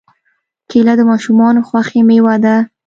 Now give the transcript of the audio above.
کېله د ماشومانو خوښې مېوه ده.